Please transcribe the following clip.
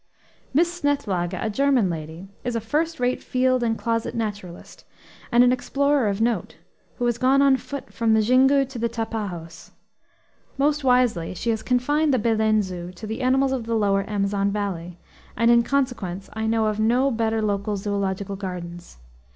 Miss Snethlage, a German lady, is a first rate field and closet naturalist, and an explorer of note, who has gone on foot from the Xingu to the Tapajos. Most wisely she has confined the Belen zoo to the animals of the lower Amazon valley, and in consequence I know of no better local zoological gardens.